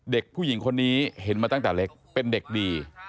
เด็กผู้หญิงคนนี้เห็นมาตั้งแต่เล็กเป็นเด็กดี